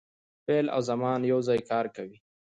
فعل او زمان یو ځای کار کوي.